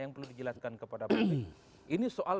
yang perlu dijelaskan kepada publik ini soal